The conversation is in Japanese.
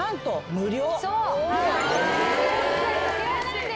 無料⁉